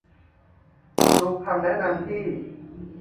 ดูคำแนะนำที่